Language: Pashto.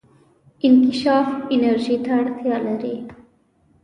انکشاف انرژي ته اړتیا لري.